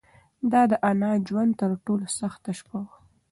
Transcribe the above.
دا د انا د ژوند تر ټولو سخته شپه وه.